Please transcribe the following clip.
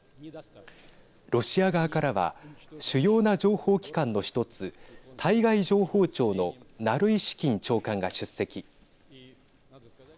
ロシア側からは主要な情報機関の１つ対外情報庁のナルイシキン長官が出席。